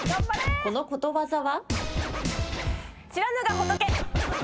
このことわざは？